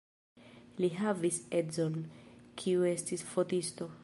Li havis edzon, kiu estis fotisto.